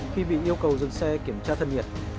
khi bị yêu cầu dừng xe kiểm tra thân nhiệt